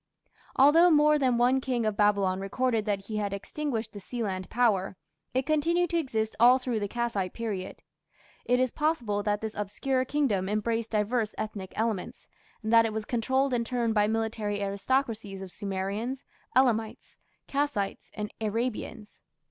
Although more than one king of Babylon recorded that he had extinguished the Sealand Power, it continued to exist all through the Kassite period. It is possible that this obscure kingdom embraced diverse ethnic elements, and that it was controlled in turn by military aristocracies of Sumerians, Elamites, Kassites, and Arabians.